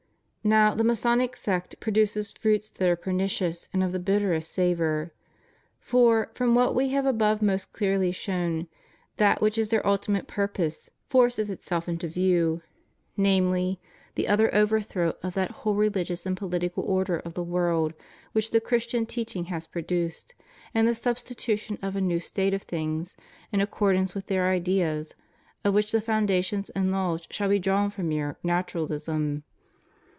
Now, the Ma sonic sect produces fruits that are pernicious and of the bitterest savor. For, from what We have above most clearly shown, that which is their ultimate purpose forces itself into view — namely, the utter overthrow of that whole rehgious and political order of the world which the Christian teaching has produced, and the substitution of a new state of things in accordance with their ideas, of which the foundations and laws shall be drawn from mere "Naturalism."